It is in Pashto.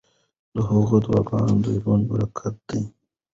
د هغوی دعاګانې د ژوند برکت دی.